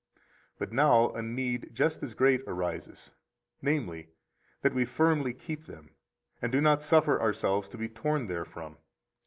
But now a need just as great arises, namely, that we firmly keep them, and do not suffer ourselves to be torn therefrom.